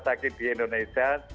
sakit di indonesia